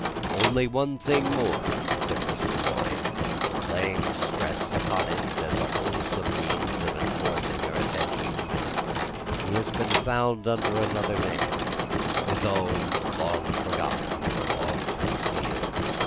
"Only one thing more," said Mr. Lorry, laying stress upon it as a wholesome means of enforcing her attention: "he has been found under another name; his own, long forgotten or long concealed.